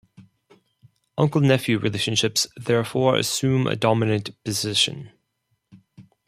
Uncle-nephew relationships therefore assume a dominant position.